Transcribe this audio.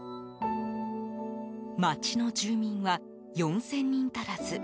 町の住民は４０００人足らず。